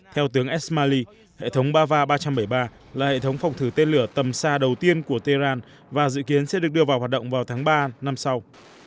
theo tướng smali hệ thống bava ba trăm bảy mươi ba là hệ thống phòng thử tên lửa tầm xa đầu tiên của tehran và dự kiến sẽ được đưa vào hoạt động vào tháng ba năm sau